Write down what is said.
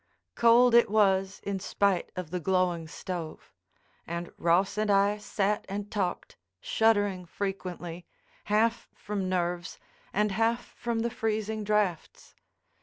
Cold it was in spite of the glowing stove; and Ross and I sat and talked, shuddering frequently, half from nerves and half from the freezing draughts.